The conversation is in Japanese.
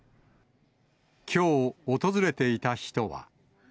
きょう、訪れていた人は。